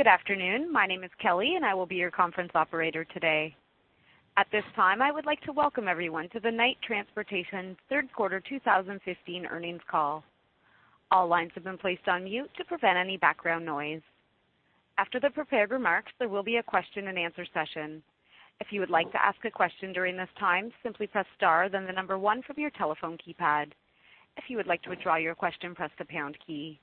Good afternoon. My name is Kelly, and I will be your conference operator today. At this time, I would like to welcome everyone to the Knight Transportation third quarter 2015 earnings call. All lines have been placed on mute to prevent any background noise. After the prepared remarks, there will be a question-and-answer session. If you would like to ask a question during this time, simply press star then the number one from your telephone keypad. If you would like to withdraw your question, press the pound key.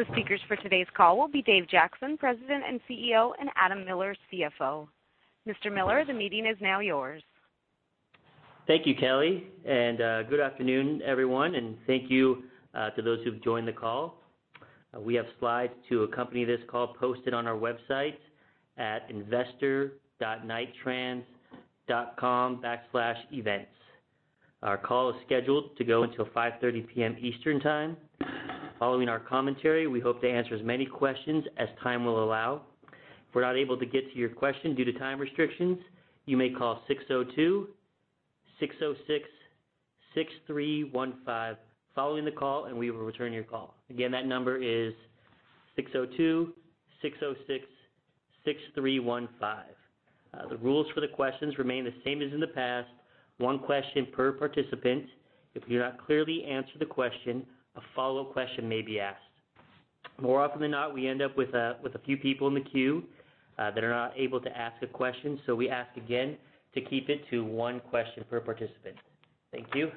The speakers for today's call will be Dave Jackson, President and CEO, and Adam Miller, CFO. Mr. Miller, the meeting is now yours. Thank you, Kelly, and good afternoon, everyone, and thank you to those who've joined the call. We have slides to accompany this call posted on our website at investor.knighttrans.com/events. Our call is scheduled to go until 5:30 P.M. Eastern Time. Following our commentary, we hope to answer as many questions as time will allow. If we're not able to get to your question due to time restrictions, you may call 602-606-6315 following the call, and we will return your call. Again, that number is 602-606-6315. The rules for the questions remain the same as in the past. One question per participant. If you're not clearly answered the question, a follow-up question may be asked. More often than not, we end up with a few people in the queue that are not able to ask a question, so we ask again to keep it to one question per participant. Thank you.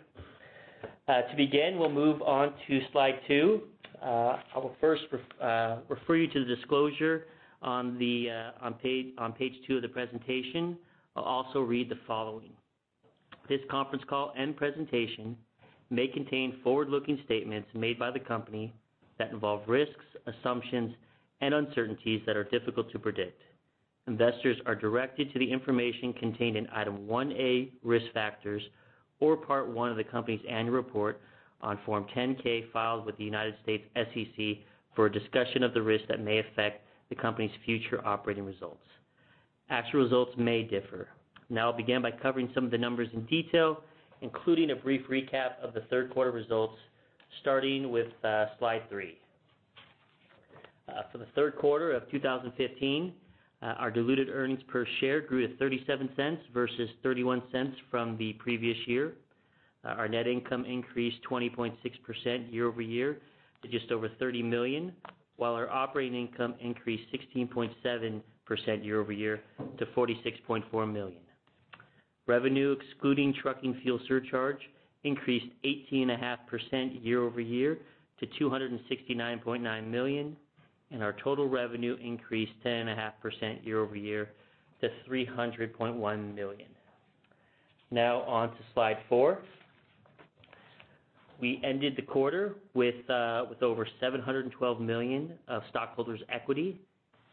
To begin, we'll move on to slide 2. I will first refer you to the disclosure on page 2 of the presentation. I'll also read the following. This conference call and presentation may contain forward-looking statements made by the company that involve risks, assumptions, and uncertainties that are difficult to predict. Investors are directed to the information contained in Item 1A, Risk Factors, or Part I of the company's Annual Report on Form 10-K, filed with the United States SEC for a discussion of the risks that may affect the company's future operating results. Actual results may differ. Now, I'll begin by covering some of the numbers in detail, including a brief recap of the third quarter results, starting with slide 3. For the third quarter of 2015, our diluted earnings per share grew to $0.37 versus $0.31 from the previous year. Our net income increased 20.6% year over year to just over $30 million, while our operating income increased 16.7% year over year to $46.4 million. Revenue, excluding trucking fuel surcharge, increased 18.5% year over year to $269.9 million, and our total revenue increased 10.5% year over year to $300.1 million. Now on to slide 4. We ended the quarter with over $712 million of stockholders' equity,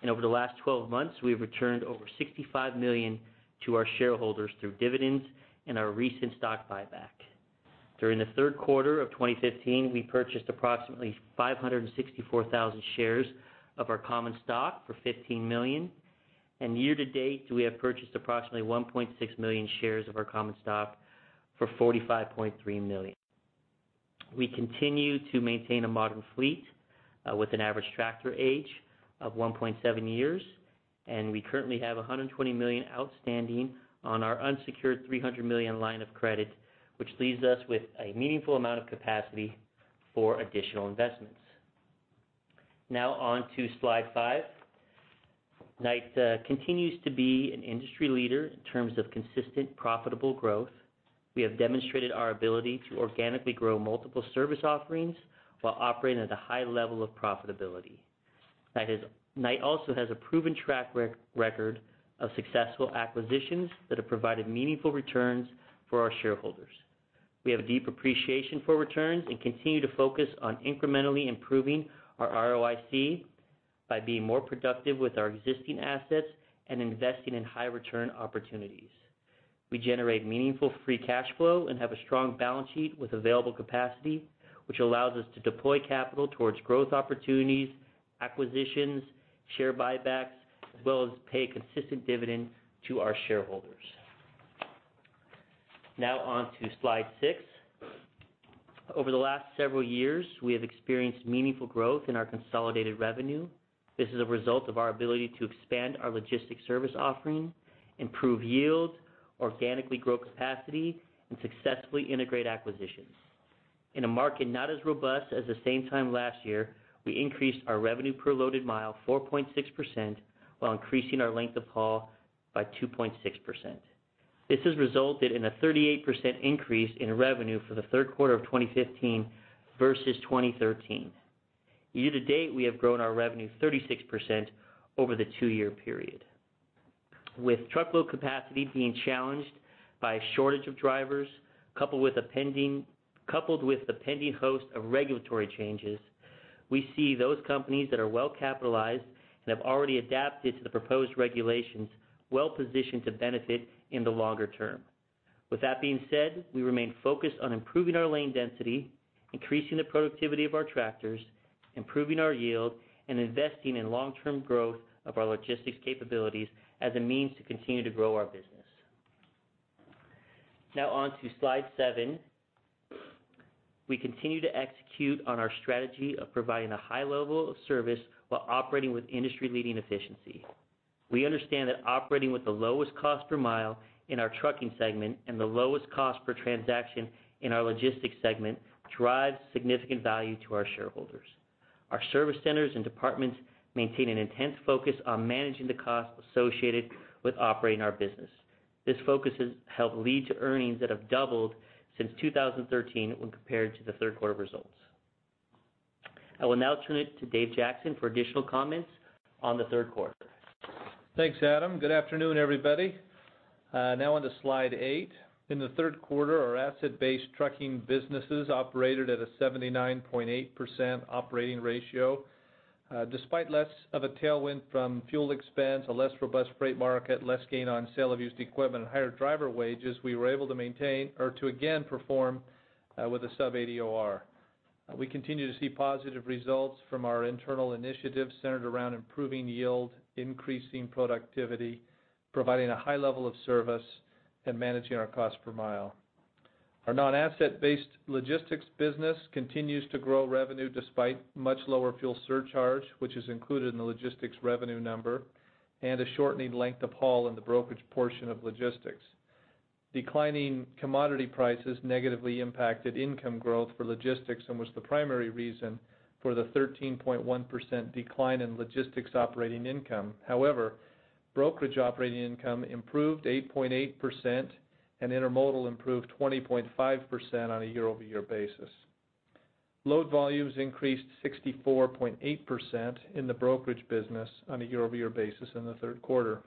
and over the last 12 months, we've returned over $65 million to our shareholders through dividends and our recent stock buyback. During the third quarter of 2015, we purchased approximately 564,000 shares of our common stock for $15 million, and year to date, we have purchased approximately 1.6 million shares of our common stock for $45.3 million. We continue to maintain a modern fleet with an average tractor age of 1.7 years, and we currently have $120 million outstanding on our unsecured $300 million line of credit, which leaves us with a meaningful amount of capacity for additional investments. Now on to slide 5. Knight continues to be an industry leader in terms of consistent, profitable growth. We have demonstrated our ability to organically grow multiple service offerings while operating at a high level of profitability. That is, Knight also has a proven track record of successful acquisitions that have provided meaningful returns for our shareholders. We have a deep appreciation for returns and continue to focus on incrementally improving our ROIC by being more productive with our existing assets and investing in high return opportunities. We generate meaningful free cash flow and have a strong balance sheet with available capacity, which allows us to deploy capital towards growth opportunities, acquisitions, share buybacks, as well as pay a consistent dividend to our shareholders. Now on to slide 6. Over the last several years, we have experienced meaningful growth in our consolidated revenue. This is a result of our ability to expand our logistics service offering, improve yield, organically grow capacity, and successfully integrate acquisitions. In a market not as robust as the same time last year, we increased our revenue per loaded mile 4.6%, while increasing our length of haul by 2.6%. This has resulted in a 38% increase in revenue for the third quarter of 2015 versus 2013. Year to date, we have grown our revenue 36% over the two-year period. With truckload capacity being challenged by a shortage of drivers, coupled with the pending host of regulatory changes, we see those companies that are well-capitalized and have already adapted to the proposed regulations, well-positioned to benefit in the longer term. With that being said, we remain focused on improving our lane density, increasing the productivity of our tractors, improving our yield, and investing in long-term growth of our logistics capabilities as a means to continue to grow our business. Now on to slide 7. We continue to execute on our strategy of providing a high level of service while operating with industry-leading efficiency. We understand that operating with the lowest cost per mile in our trucking segment and the lowest cost per transaction in our logistics segment, drives significant value to our shareholders. Our service centers and departments maintain an intense focus on managing the costs associated with operating our business. This focus has helped lead to earnings that have doubled since 2013 when compared to the third quarter results. I will now turn it to Dave Jackson for additional comments on the third quarter. Thanks, Adam. Good afternoon, everybody. Now on to slide 8. In the third quarter, our asset-based trucking businesses operated at a 79.8% operating ratio. Despite less of a tailwind from fuel expense, a less robust freight market, less gain on sale of used equipment, and higher driver wages, we were able to maintain or to again perform with a sub-eighty OR. We continue to see positive results from our internal initiatives centered around improving yield, increasing productivity, providing a high level of service, and managing our cost per mile. Our non-asset-based logistics business continues to grow revenue, despite much lower fuel surcharge, which is included in the logistics revenue number, and a shortening length of haul in the brokerage portion of logistics. Declining commodity prices negatively impacted income growth for logistics and was the primary reason for the 13.1% decline in logistics operating income. However, brokerage operating income improved 8.8%, and intermodal improved 20.5% on a year-over-year basis. Load volumes increased 64.8% in the brokerage business on a year-over-year basis in the third quarter.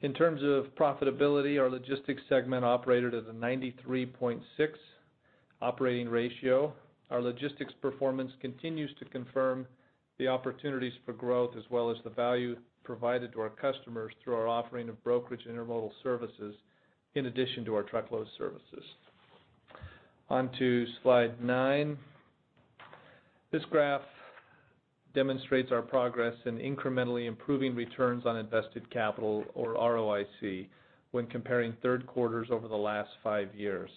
In terms of profitability, our logistics segment operated at a 93.6 operating ratio. Our logistics performance continues to confirm the opportunities for growth, as well as the value provided to our customers through our offering of brokerage intermodal services, in addition to our truckload services. On to slide 9. This graph demonstrates our progress in incrementally improving returns on invested capital, or ROIC, when comparing third quarters over the last five years.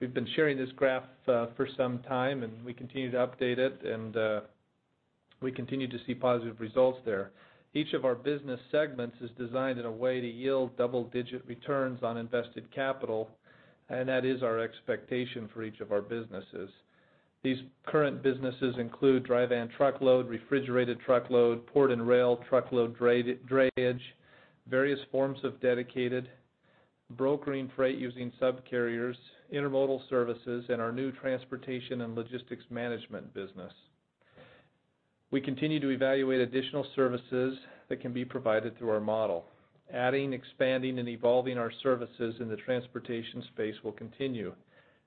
We've been sharing this graph for some time, and we continue to update it, and we continue to see positive results there. Each of our business segments is designed in a way to yield double-digit returns on invested capital, and that is our expectation for each of our businesses. These current businesses include dry van truckload, refrigerated truckload, port and rail, truckload drayage, various forms of dedicated brokering freight using subcarriers, intermodal services, and our new transportation and logistics management business. We continue to evaluate additional services that can be provided through our model. Adding, expanding, and evolving our services in the transportation space will continue.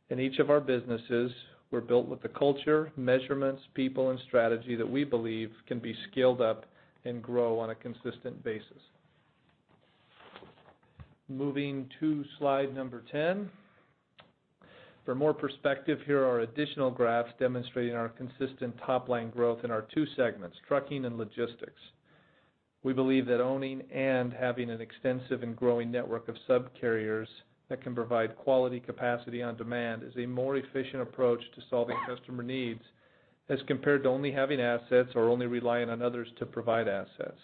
In each of our businesses, we're built with the culture, measurements, people, and strategy that we believe can be scaled up and grow on a consistent basis. Moving to slide number 10. For more perspective, here are additional graphs demonstrating our consistent top-line growth in our two segments, trucking and logistics. We believe that owning and having an extensive and growing network of subcarriers that can provide quality capacity on demand, is a more efficient approach to solving customer needs, as compared to only having assets or only relying on others to provide assets.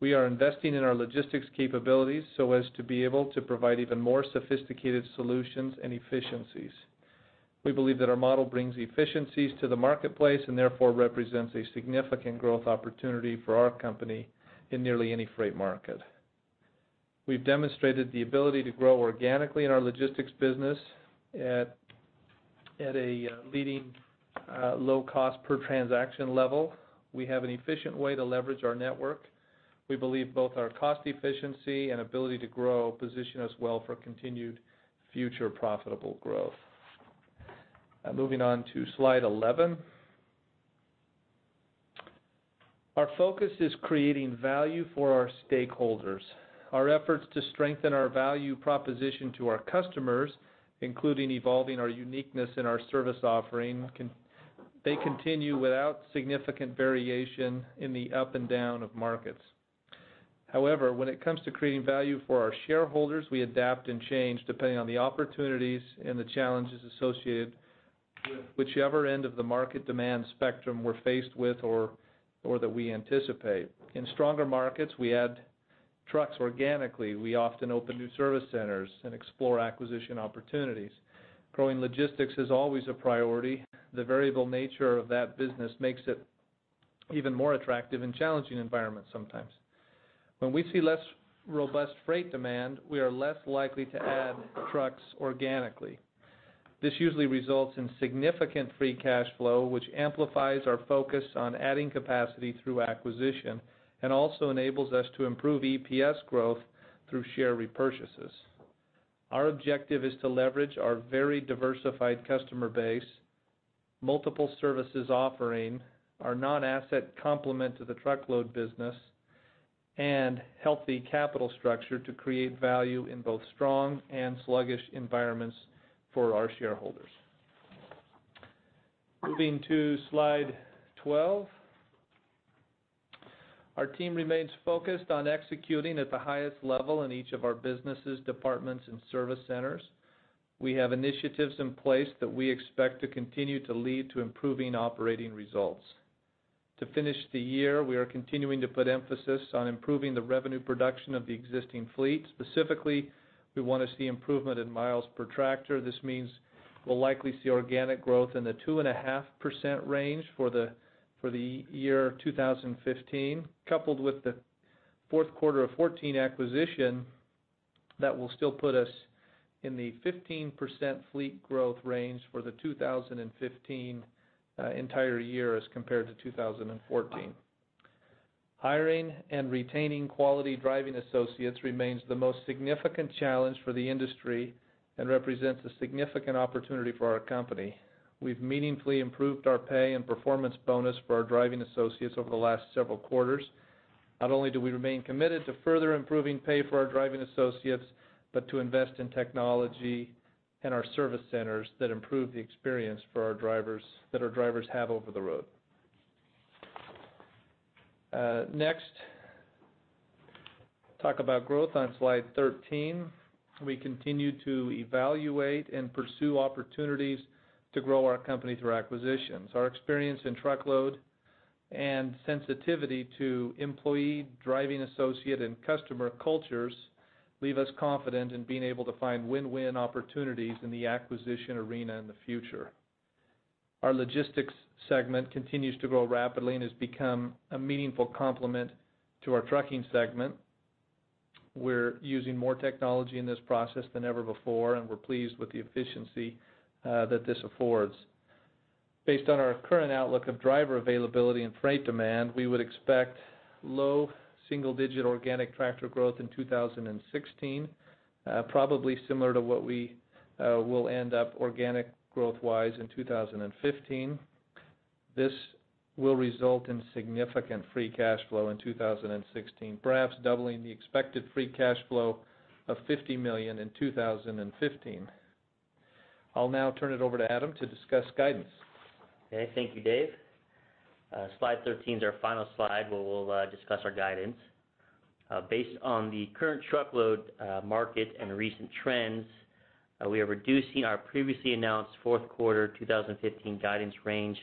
We are investing in our logistics capabilities so as to be able to provide even more sophisticated solutions and efficiencies. We believe that our model brings efficiencies to the marketplace and therefore represents a significant growth opportunity for our company in nearly any freight market. We've demonstrated the ability to grow organically in our logistics business at a leading low cost per transaction level. We have an efficient way to leverage our network. We believe both our cost efficiency and ability to grow position us well for continued future profitable growth. Now moving on to slide 11. Our focus is creating value for our stakeholders. Our efforts to strengthen our value proposition to our customers, including evolving our uniqueness in our service offering, they continue without significant variation in the up and down of markets. However, when it comes to creating value for our shareholders, we adapt and change depending on the opportunities and the challenges associated with whichever end of the market demand spectrum we're faced with or that we anticipate. In stronger markets, we add trucks organically. We often open new service centers and explore acquisition opportunities. Growing logistics is always a priority. The variable nature of that business makes it even more attractive in challenging environments sometimes. When we see less robust freight demand, we are less likely to add trucks organically. This usually results in significant free cash flow, which amplifies our focus on adding capacity through acquisition, and also enables us to improve EPS growth through share repurchases. Our objective is to leverage our very diversified customer base, multiple services offering, our non-asset complement to the truckload business, and healthy capital structure to create value in both strong and sluggish environments for our shareholders. Moving to slide 12. Our team remains focused on executing at the highest level in each of our businesses, departments, and service centers. We have initiatives in place that we expect to continue to lead to improving operating results. To finish the year, we are continuing to put emphasis on improving the revenue production of the existing fleet. Specifically, we want to see improvement in miles per tractor. This means we'll likely see organic growth in the 2.5% range for the year 2015, coupled with the fourth quarter of 2014 acquisition, that will still put us in the 15% fleet growth range for the 2015 entire year as compared to 2014. Hiring and retaining quality driving associates remains the most significant challenge for the industry and represents a significant opportunity for our company. We've meaningfully improved our pay and performance bonus for our driving associates over the last several quarters. Not only do we remain committed to further improving pay for our driving associates, but to invest in technology and our service centers that improve the experience for our drivers, that our drivers have over the road. Next, talk about growth on slide 13. We continue to evaluate and pursue opportunities to grow our company through acquisitions. Our experience in truckload and sensitivity to employee, driving associate, and customer cultures leave us confident in being able to find win-win opportunities in the acquisition arena in the future. Our logistics segment continues to grow rapidly and has become a meaningful complement to our trucking segment. We're using more technology in this process than ever before, and we're pleased with the efficiency that this affords. Based on our current outlook of driver availability and freight demand, we would expect low single-digit organic tractor growth in 2016, probably similar to what we will end up organic growth-wise in 2015. This will result in significant free cash flow in 2016, perhaps doubling the expected free cash flow of $50 million in 2015. I'll now turn it over to Adam to discuss guidance. Okay, thank you, Dave. Slide 13 is our final slide, where we'll discuss our guidance. Based on the current truckload market and recent trends, we are reducing our previously announced fourth quarter 2015 guidance range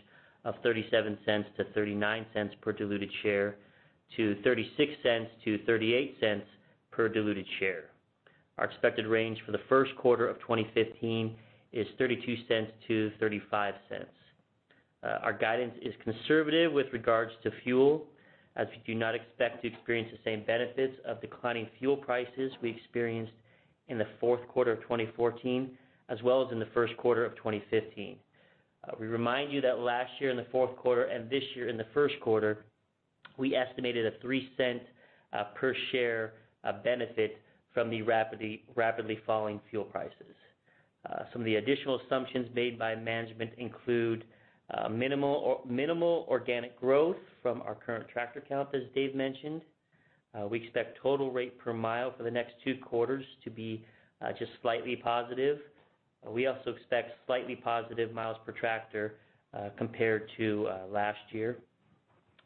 of $0.37-$0.39 per diluted share to $0.36-$0.38 per diluted share. Our expected range for the first quarter of 2015 is $0.32-$0.35. Our guidance is conservative with regards to fuel, as we do not expect to experience the same benefits of declining fuel prices we experienced in the fourth quarter of 2014, as well as in the first quarter of 2015. We remind you that last year in the fourth quarter and this year in the first quarter, we estimated a $0.03 per share benefit from the rapidly falling fuel prices. Some of the additional assumptions made by management include minimal organic growth from our current tractor count, as Dave mentioned. We expect total rate per mile for the next two quarters to be just slightly positive. We also expect slightly positive miles per tractor compared to last year.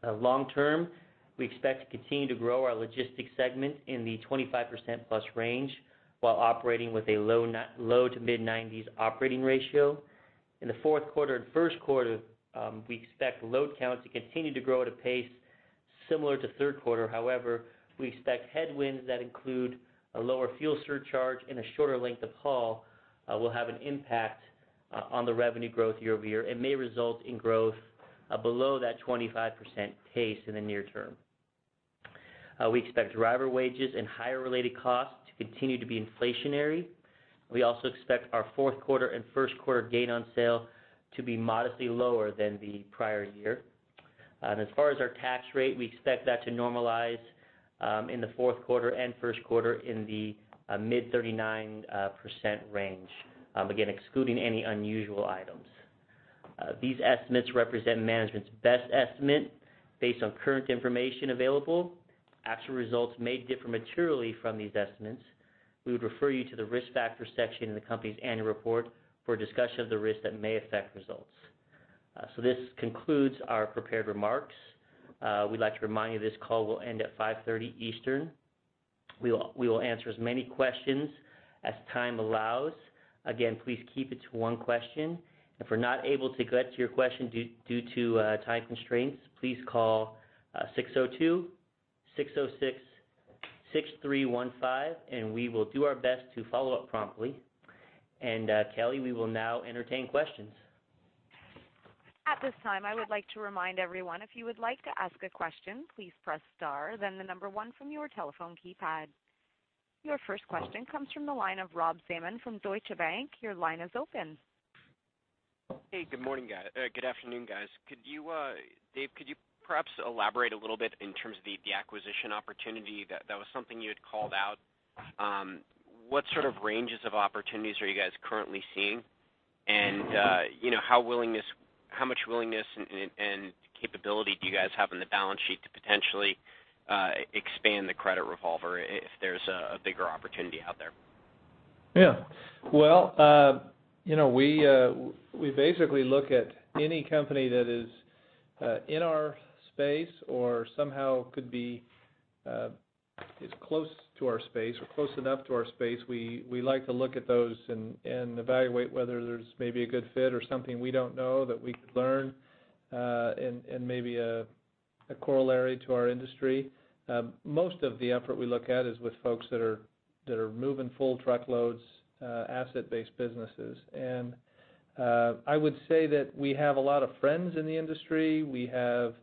Long term, we expect to continue to grow our logistics segment in the 25%+ range, while operating with a low- to mid-90s operating ratio. In the fourth quarter and first quarter, we expect load count to continue to grow at a pace similar to third quarter. However, we expect headwinds that include a lower fuel surcharge and a shorter length of haul will have an impact on the revenue growth year-over-year and may result in growth below that 25% pace in the near term. We expect driver wages and higher related costs to continue to be inflationary. We also expect our fourth quarter and first quarter gain on sale to be modestly lower than the prior year. And as far as our tax rate, we expect that to normalize in the fourth quarter and first quarter in the mid-39% range, again, excluding any unusual items. These estimates represent management's best estimate based on current information available. Actual results may differ materially from these estimates. We would refer you to the Risk Factors section in the company's annual report for a discussion of the risks that may affect results. So this concludes our prepared remarks. We'd like to remind you, this call will end at 5:30 P.M. Eastern. We will answer as many questions as time allows. Again, please keep it to one question. If we're not able to get to your question due to time constraints, please call 602-606-6315, and we will do our best to follow up promptly. Kelly, we will now entertain questions. At this time, I would like to remind everyone, if you would like to ask a question, please press star, then the number one from your telephone keypad. Your first question comes from the line of Rob Salmon from Deutsche Bank. Your line is open. Hey, good morning, guy, good afternoon, guys. Could you, Dave, could you perhaps elaborate a little bit in terms of the, the acquisition opportunity? That, that was something you had called out. What sort of ranges of opportunities are you guys currently seeing? And, you know, how willingness, how much willingness and, and capability do you guys have on the balance sheet to potentially, expand the credit revolver if there's a, a bigger opportunity out there?... Yeah. Well, you know, we, we basically look at any company that is, in our space or somehow could be, is close to our space or close enough to our space. We, we like to look at those and, and evaluate whether there's maybe a good fit or something we don't know that we could learn, and, and maybe a, a corollary to our industry. Most of the effort we look at is with folks that are, that are moving full truckloads, asset-based businesses. And, I would say that we have a lot of friends in the industry. We have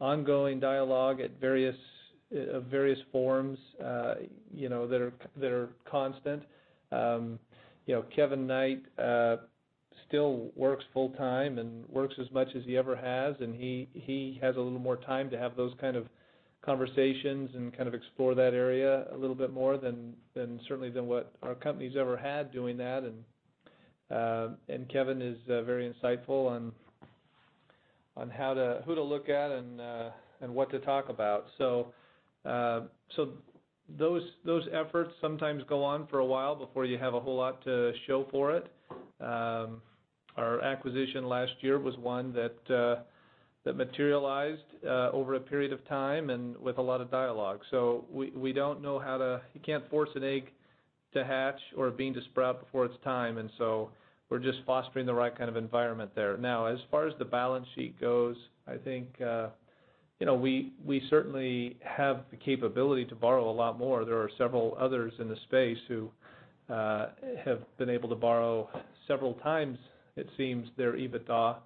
ongoing dialogue at various, various forums, you know, that are, that are constant. You know, Kevin Knight still works full-time and works as much as he ever has, and he has a little more time to have those kind of conversations and kind of explore that area a little bit more than certainly than what our company's ever had doing that. And Kevin is very insightful on how to who to look at and what to talk about. So those efforts sometimes go on for a while before you have a whole lot to show for it. Our acquisition last year was one that materialized over a period of time and with a lot of dialogue. So we don't know how to... You can't force an egg to hatch or a bean to sprout before its time, and so we're just fostering the right kind of environment there. Now, as far as the balance sheet goes, I think, you know, we certainly have the capability to borrow a lot more. There are several others in the space who have been able to borrow several times, it seems, their EBITDA,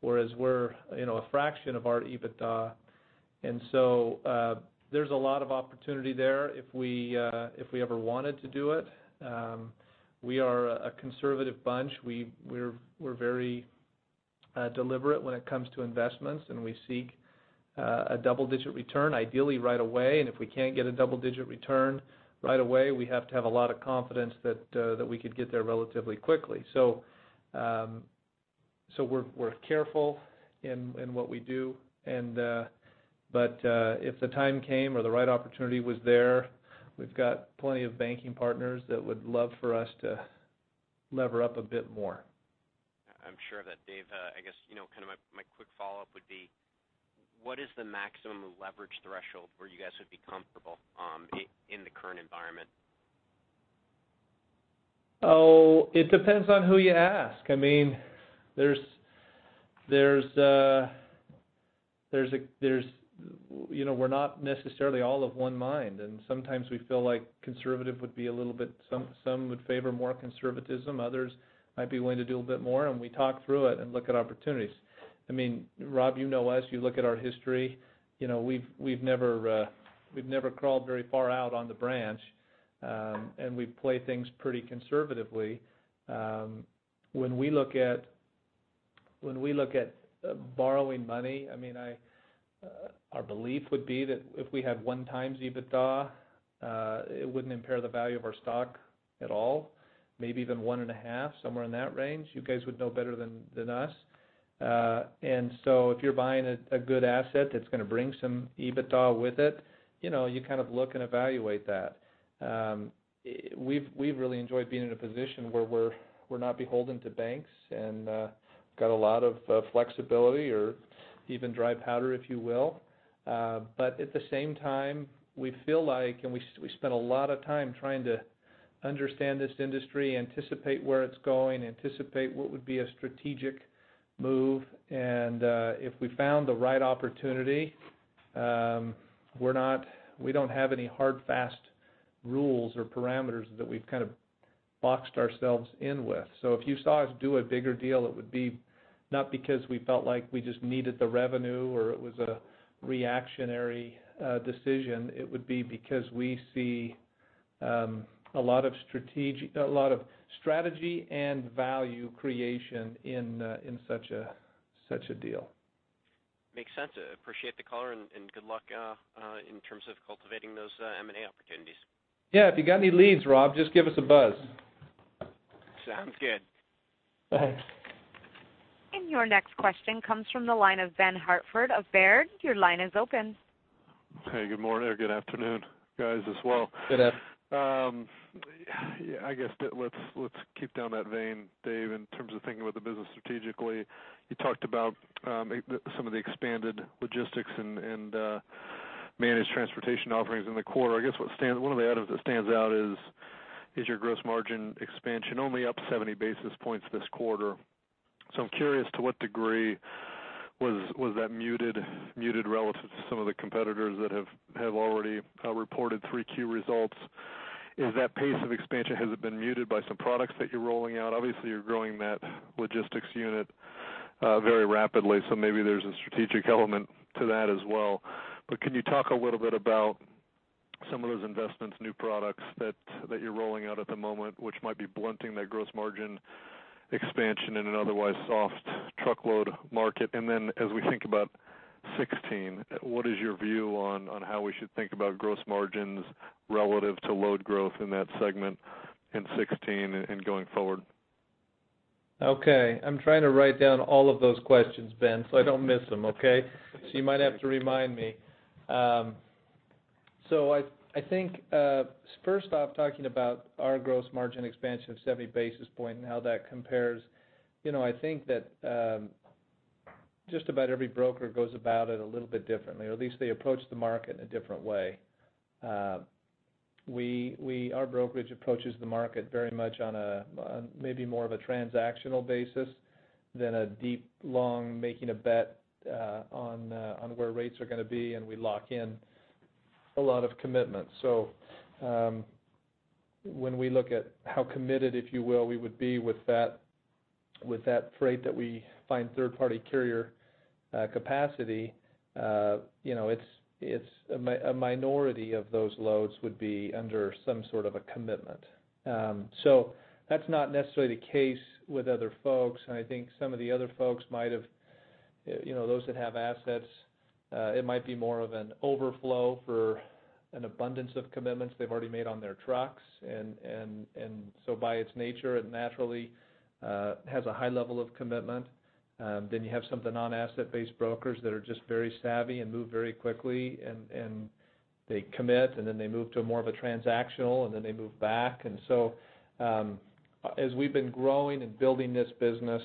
whereas we're, you know, a fraction of our EBITDA. And so, there's a lot of opportunity there if we ever wanted to do it. We are a conservative bunch. We're very deliberate when it comes to investments, and we seek a double-digit return, ideally right away. If we can't get a double-digit return right away, we have to have a lot of confidence that we could get there relatively quickly. So, we're careful in what we do. But if the time came or the right opportunity was there, we've got plenty of banking partners that would love for us to lever up a bit more. I'm sure of that, Dave. I guess, you know, kind of my quick follow-up would be: What is the maximum leverage threshold where you guys would be comfortable, in the current environment? Oh, it depends on who you ask. I mean, there's a... You know, we're not necessarily all of one mind, and sometimes we feel like conservative would be a little bit, some would favor more conservatism, others might be willing to do a bit more, and we talk through it and look at opportunities. I mean, Rob, you know us, you look at our history, you know, we've never crawled very far out on the branch, and we play things pretty conservatively. When we look at borrowing money, I mean, our belief would be that if we had 1x EBITDA, it wouldn't impair the value of our stock at all, maybe even 1.5, somewhere in that range. You guys would know better than us. And so if you're buying a good asset that's going to bring some EBITDA with it, you know, you kind of look and evaluate that. We've really enjoyed being in a position where we're not beholden to banks and got a lot of flexibility or even dry powder, if you will. But at the same time, we feel like, and we spent a lot of time trying to understand this industry, anticipate where it's going, anticipate what would be a strategic move, and if we found the right opportunity, we don't have any hard, fast rules or parameters that we've kind of boxed ourselves in with. So if you saw us do a bigger deal, it would be not because we felt like we just needed the revenue or it was a reactionary decision. It would be because we see a lot of strategy and value creation in such a deal. Makes sense. I appreciate the color and good luck in terms of cultivating those M&A opportunities. Yeah, if you got any leads, Rob, just give us a buzz. Sounds good. Thanks. Your next question comes from the line of Ben Hartford of Baird. Your line is open. Hey, good morning, or good afternoon, guys, as well. Good after. Yeah, I guess let's keep in that vein, Dave, in terms of thinking about the business strategically. You talked about some of the expanded logistics and managed transportation offerings in the quarter. I guess one of the items that stands out is your gross margin expansion, only up 70 basis points this quarter. So I'm curious to what degree was that muted relative to some of the competitors that have already reported 3Q results? Is that pace of expansion, has it been muted by some products that you're rolling out? Obviously, you're growing that logistics unit very rapidly, so maybe there's a strategic element to that as well. But can you talk a little bit about some of those investments, new products that, that you're rolling out at the moment, which might be blunting that gross margin expansion in an otherwise soft truckload market? And then, as we think about 2016, what is your view on, on how we should think about gross margins relative to load growth in that segment in 2016 and, and going forward?... Okay, I'm trying to write down all of those questions, Ben, so I don't miss them, okay? So you might have to remind me. So I think first off, talking about our gross margin expansion of 70 basis points and how that compares, you know, I think that just about every broker goes about it a little bit differently, or at least they approach the market in a different way. Our brokerage approaches the market very much on maybe more of a transactional basis than a deep, long, making a bet on where rates are going to be, and we lock in a lot of commitment. So, when we look at how committed, if you will, we would be with that, with that freight that we find third-party carrier capacity, you know, it's a minority of those loads would be under some sort of a commitment. So that's not necessarily the case with other folks, and I think some of the other folks might have, you know, those that have assets, it might be more of an overflow for an abundance of commitments they've already made on their trucks. And so by its nature, it naturally has a high level of commitment. Then you have some of the non-asset-based brokers that are just very savvy and move very quickly, and they commit, and then they move to more of a transactional, and then they move back. As we've been growing and building this business,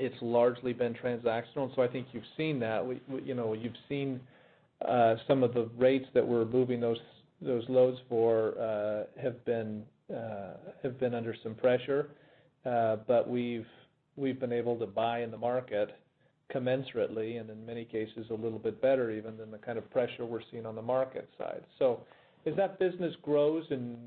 it's largely been transactional. So I think you've seen that. We, you know, you've seen some of the rates that we're moving those loads for have been under some pressure. But we've been able to buy in the market commensurately, and in many cases, a little bit better even than the kind of pressure we're seeing on the market side. So as that business grows and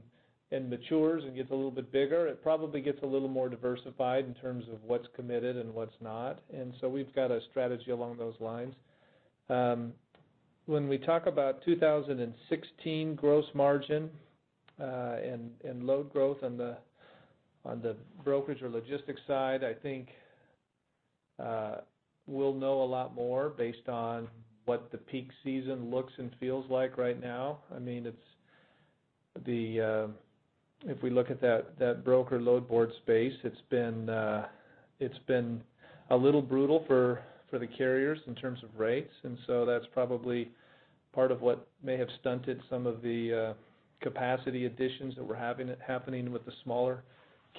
matures and gets a little bit bigger, it probably gets a little more diversified in terms of what's committed and what's not. And so we've got a strategy along those lines. When we talk about 2016 gross margin, and load growth on the, on the brokerage or logistics side, I think, we'll know a lot more based on what the peak season looks and feels like right now. I mean, it's the... If we look at that, that broker load board space, it's been, it's been a little brutal for, for the carriers in terms of rates. And so that's probably part of what may have stunted some of the, capacity additions that we're having happening with the smaller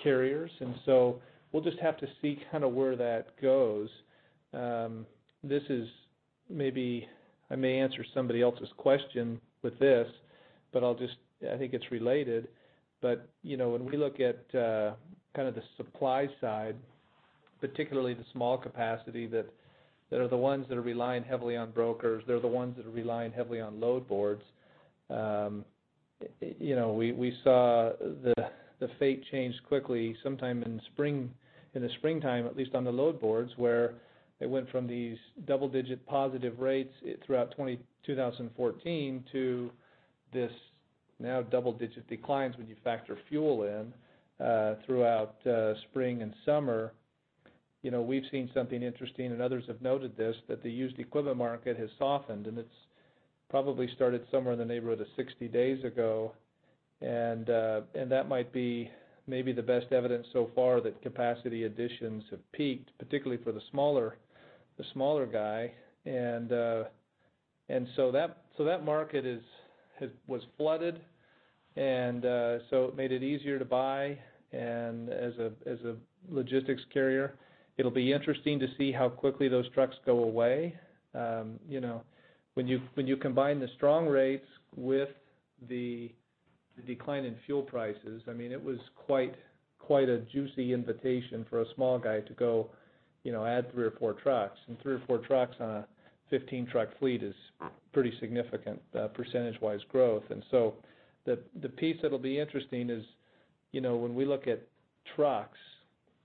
carriers. And so we'll just have to see kind of where that goes. This is maybe, I may answer somebody else's question with this, but I'll just... I think it's related. But, you know, when we look at kind of the supply side, particularly the small capacity that are the ones that are relying heavily on brokers, they're the ones that are relying heavily on load boards. You know, we saw the rate change quickly, sometime in spring, in the springtime, at least on the load boards, where it went from these double-digit positive rates throughout 2014 to this now double-digit declines when you factor fuel in, throughout spring and summer. You know, we've seen something interesting, and others have noted this, that the used equipment market has softened, and it's probably started somewhere in the neighborhood of 60 days ago. And that might be maybe the best evidence so far that capacity additions have peaked, particularly for the smaller guy. And so that market was flooded, so it made it easier to buy. And as a logistics carrier, it'll be interesting to see how quickly those trucks go away. You know, when you combine the strong rates with the decline in fuel prices, I mean, it was quite a juicy invitation for a small guy to go, you know, add 3 or 4 trucks. And 3 or 4 trucks on a 15-truck fleet is pretty significant, percentage-wise growth. And so the piece that'll be interesting is, you know, when we look at trucks,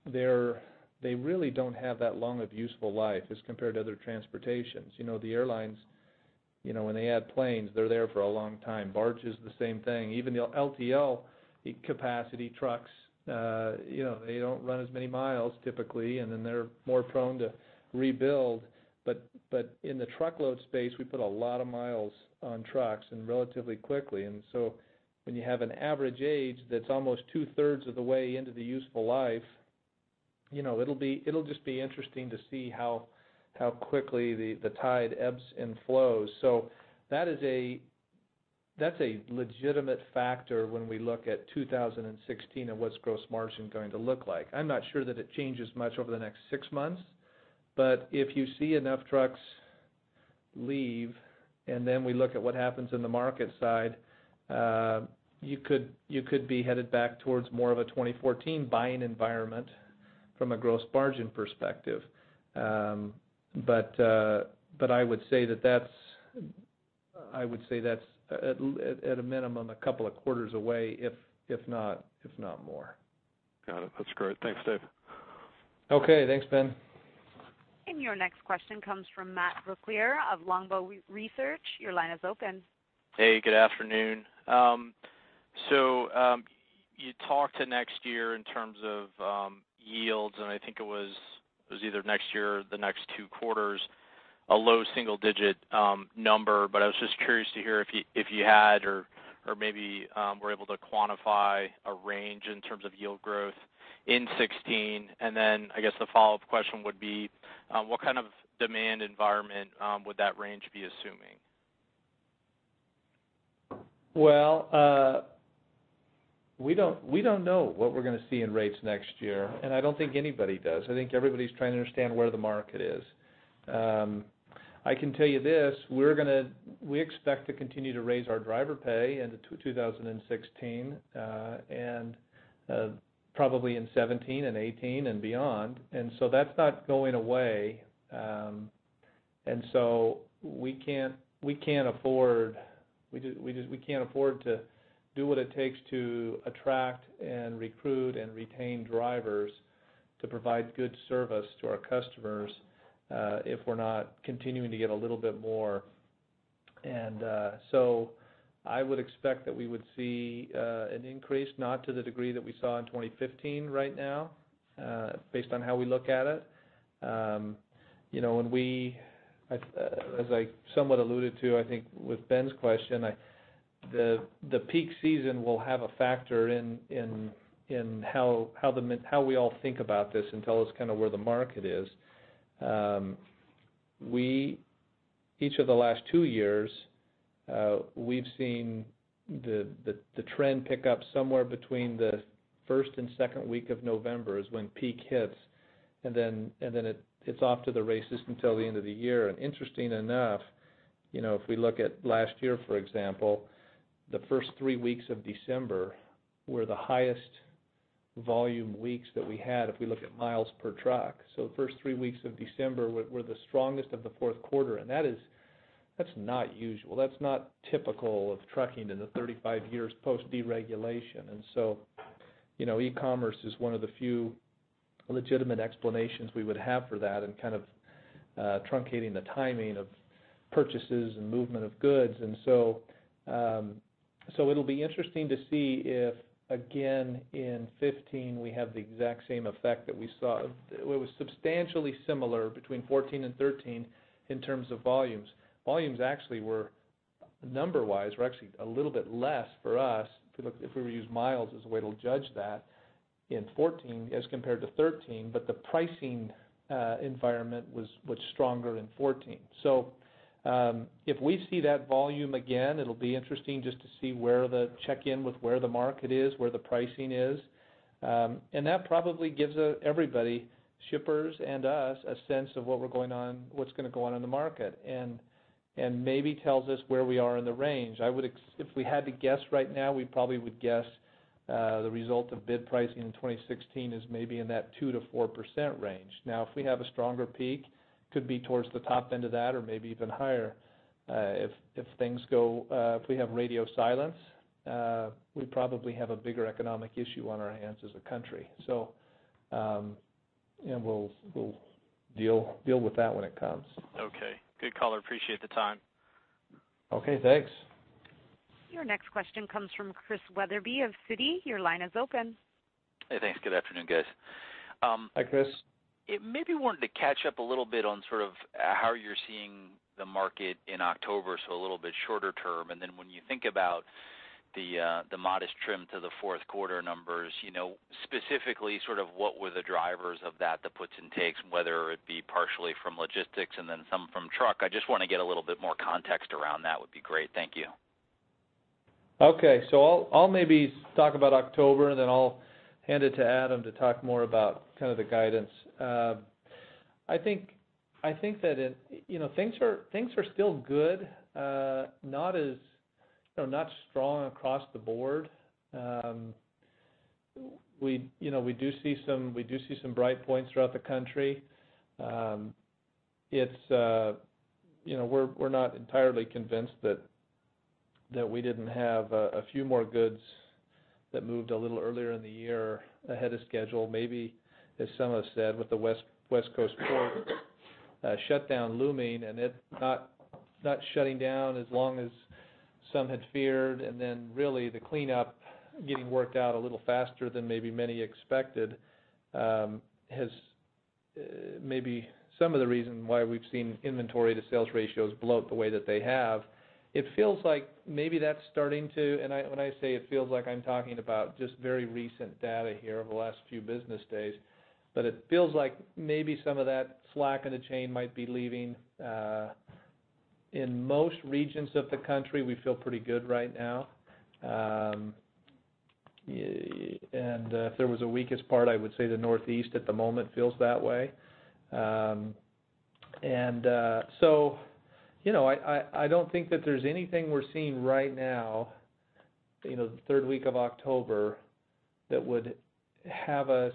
they really don't have that long of useful life as compared to other transportations. You know, the airlines, you know, when they add planes, they're there for a long time. Barge is the same thing. Even the LTL capacity trucks, you know, they don't run as many miles typically, and then they're more prone to rebuild. But in the truckload space, we put a lot of miles on trucks, and relatively quickly. And so when you have an average age that's almost two-thirds of the way into the useful life, you know, it'll just be interesting to see how quickly the tide ebbs and flows. So that's a legitimate factor when we look at 2016 and what's gross margin going to look like. I'm not sure that it changes much over the next six months, but if you see enough trucks leave, and then we look at what happens in the market side, you could be headed back towards more of a 2014 buying environment from a gross margin perspective. But I would say that that's at a minimum a couple of quarters away, if not more. Got it. That's great. Thanks, David. Okay, thanks, Ben. Your next question comes from Matt Brooklier of Longbow Research. Your line is open. Hey, good afternoon. So, you talked to next year in terms of yields, and I think it was, it was either next year or the next two quarters... a low single-digit number, but I was just curious to hear if you, if you had or, or maybe, were able to quantify a range in terms of yield growth in 2016. And then I guess the follow-up question would be, what kind of demand environment would that range be assuming? Well, we don't know what we're going to see in rates next year, and I don't think anybody does. I think everybody's trying to understand where the market is. I can tell you this, we expect to continue to raise our driver pay into 2016, and probably in 2017 and 2018 and beyond. And so that's not going away. And so we can't afford to do what it takes to attract and recruit and retain drivers to provide good service to our customers, if we're not continuing to get a little bit more. And so I would expect that we would see an increase, not to the degree that we saw in 2015 right now, based on how we look at it. You know, when we, as I somewhat alluded to, I think with Ben's question, the peak season will have a factor in how we all think about this and tell us kind of where the market is. We, each of the last two years, we've seen the trend pick up somewhere between the first and second week of November, is when peak hits, and then it, it's off to the races until the end of the year. And interesting enough, you know, if we look at last year, for example, the first three weeks of December were the highest volume weeks that we had, if we look at miles per truck. So the first three weeks of December were the strongest of the fourth quarter, and that's not usual. That's not typical of trucking in the 35 years post deregulation. So, you know, e-commerce is one of the few legitimate explanations we would have for that and kind of truncating the timing of purchases and movement of goods. So it'll be interesting to see if, again, in 2015, we have the exact same effect that we saw. It was substantially similar between 2014 and 2013 in terms of volumes. Volumes actually were, number wise, were actually a little bit less for us, if we were to use miles as a way to judge that in 2014 as compared to 2013, but the pricing environment was much stronger in 2014. So, if we see that volume again, it'll be interesting just to see where the check-in with where the market is, where the pricing is. And that probably gives everybody, shippers and us, a sense of what's going on, what's going to go on in the market, and maybe tells us where we are in the range. I would expect if we had to guess right now, we probably would guess the result of bid pricing in 2016 is maybe in that 2%-4% range. Now, if we have a stronger peak, could be towards the top end of that or maybe even higher. If things go, if we have radio silence, we probably have a bigger economic issue on our hands as a country. So, and we'll deal with that when it comes. Okay. Good call, I appreciate the time. Okay, thanks. Your next question comes from Chris Wetherbee of Citi. Your line is open. Hey, thanks. Good afternoon, guys. Hi, Chris. Maybe wanted to catch up a little bit on sort of how you're seeing the market in October, so a little bit shorter term. And then when you think about the, the modest trim to the fourth quarter numbers, you know, specifically, sort of what were the drivers of that, the puts and takes, whether it be partially from logistics and then some from truck? I just want to get a little bit more context around that would be great. Thank you. Okay. So I'll maybe talk about October, and then I'll hand it to Adam to talk more about kind of the guidance. I think that it, you know, things are still good, not as, you know, not strong across the board. We, you know, do see some bright points throughout the country. It's, you know, we're not entirely convinced that we didn't have a few more goods that moved a little earlier in the year ahead of schedule. Maybe, as some have said, with the West Coast port shutdown looming, and it not shutting down as long as some had feared, and then really, the cleanup getting worked out a little faster than maybe many expected, has maybe some of the reason why we've seen inventory-to-sales ratios bloat the way that they have. It feels like maybe that's starting to, when I say it feels like I'm talking about just very recent data here over the last few business days, but it feels like maybe some of that slack in the chain might be leaving. In most regions of the country, we feel pretty good right now. Yeah, and if there was a weakest part, I would say the Northeast at the moment feels that way. I don't think that there's anything we're seeing right now, you know, the third week of October, that would have us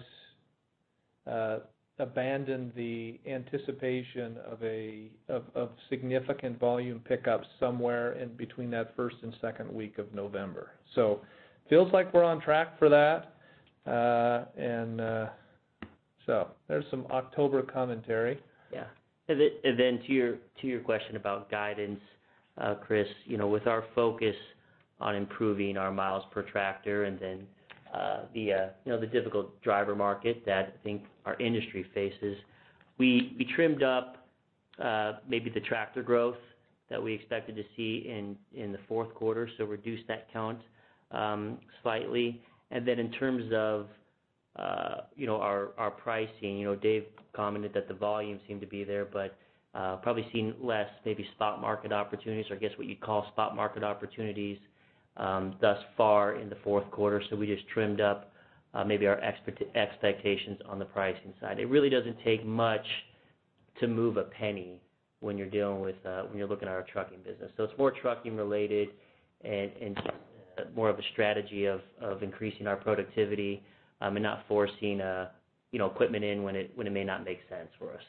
abandon the anticipation of a significant volume pickup somewhere in between that first and second week of November. So feels like we're on track for that. There's some October commentary. Yeah. And then to your question about guidance, Chris, you know, with our focus on improving our miles per tractor, and then the difficult driver market that I think our industry faces. We trimmed up maybe the tractor growth that we expected to see in the fourth quarter, so reduced that count slightly. And then in terms of our pricing, you know, Dave commented that the volume seemed to be there, but probably seeing less maybe spot market opportunities or I guess what you'd call spot market opportunities thus far in the fourth quarter. So we just trimmed up maybe our expectations on the pricing side. It really doesn't take much to move a penny when you're dealing with, when you're looking at our trucking business. So it's more trucking related and more of a strategy of increasing our productivity, and not forcing, you know, equipment in when it may not make sense for us.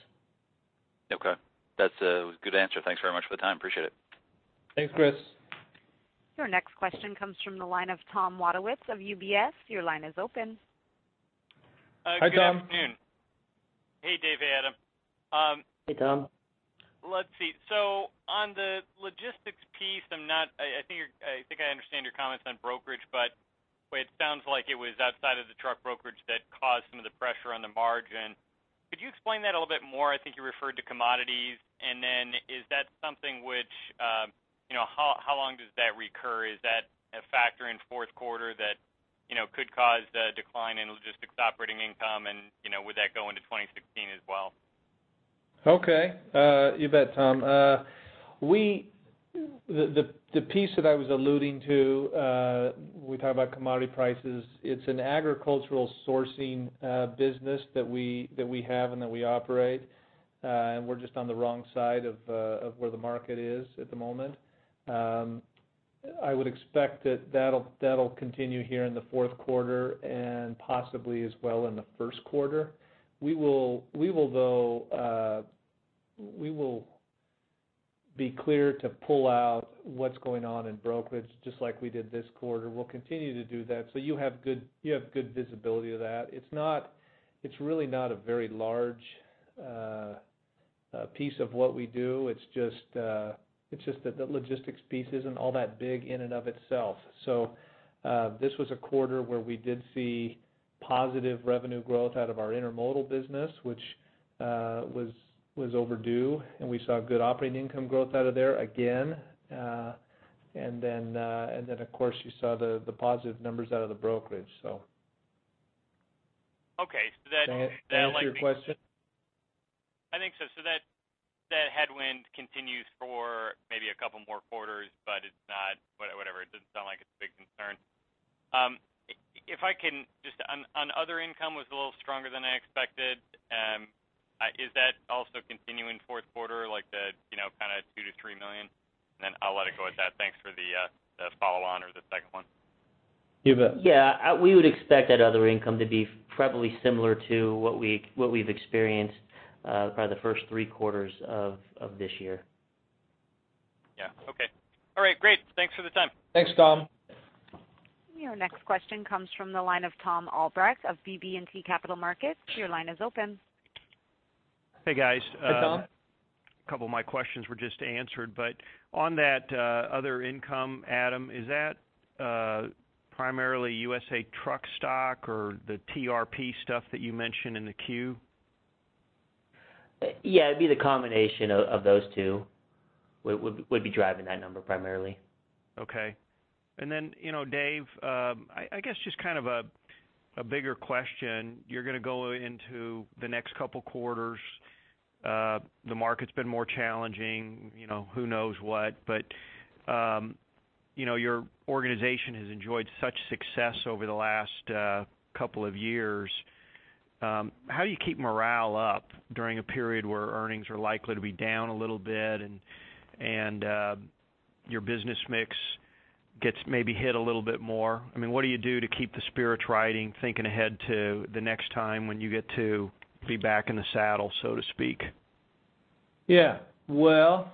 Okay. That's a good answer. Thanks very much for the time. Appreciate it. Thanks, Chris. Your next question comes from the line of Tom Wadowitz of UBS. Your line is open. Hi, Tom. Good afternoon. Hey, Dave and Adam. Hey, Tom. Let's see. So on the logistics piece, I'm not, I think I understand your comments on brokerage, but it sounds like it was outside of the truck brokerage that caused some of the pressure on the margin. Could you explain that a little bit more? I think you referred to commodities, and then is that something which, you know, how long does that recur? Is that a factor in fourth quarter that, you know, could cause the decline in logistics operating income? And, you know, would that go into 2016 as well? Okay. You bet, Tom. We, the piece that I was alluding to, we talk about commodity prices. It's an agricultural sourcing business that we have and that we operate, and we're just on the wrong side of where the market is at the moment. I would expect that that'll continue here in the fourth quarter and possibly as well in the first quarter. We will though, we will be clear to pull out what's going on in brokerage, just like we did this quarter. We'll continue to do that, so you have good visibility of that. It's not, it's really not a very large piece of what we do. It's just, it's just that the logistics piece isn't all that big in and of itself. So, this was a quarter where we did see positive revenue growth out of our intermodal business, which was overdue, and we saw good operating income growth out of there again. And then, of course, you saw the positive numbers out of the brokerage, so. Okay. So that, like Does that answer your question? I think so. So that headwind continues for maybe a couple more quarters, but it's not what- whatever. It doesn't sound like it's a big concern. If I can just... On other income was a little stronger than I expected. Is that also continuing fourth quarter, like the, you know, kind of $2 million-$3 million? And then I'll let it go at that. Thanks for the follow-on or the second one. You bet. Yeah. We would expect that other income to be probably similar to what we've experienced by the first three quarters of this year. Yeah. Okay. All right, great! Thanks for the time. Thanks, Tom. Your next question comes from the line of Tom Albrecht of BB&T Capital Markets. Your line is open. Hey, guys. Hey, Tom. A couple of my questions were just answered, but on that other income, Adam, is that primarily USA Truck stock or the TRP stuff that you mentioned in the Q? Yeah, it'd be the combination of those two would be driving that number primarily. Okay. And then, you know, Dave, I guess just kind of a bigger question, you're going to go into the next couple quarters. The market's been more challenging, you know, who knows what? But, you know, your organization has enjoyed such success over the last couple of years. How do you keep morale up during a period where earnings are likely to be down a little bit and your business mix gets maybe hit a little bit more? I mean, what do you do to keep the spirits riding, thinking ahead to the next time when you get to be back in the saddle, so to speak? Yeah. Well,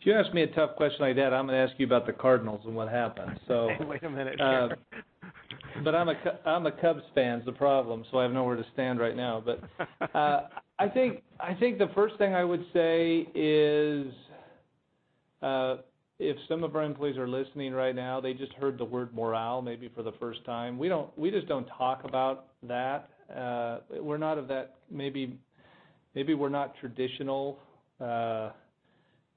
if you ask me a tough question like that, I'm going to ask you about the Cardinals and what happened, so. Wait a minute. But I'm a Cubs fan, is the problem, so I have nowhere to stand right now. But I think the first thing I would say is, if some of our employees are listening right now, they just heard the word morale, maybe for the first time. We don't—we just don't talk about that. We're not of that, maybe we're not traditional